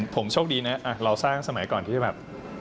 ผมโชคดีนะเราสร้างสมัยก่อนที่แบบ